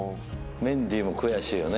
メンディーも悔しいよね。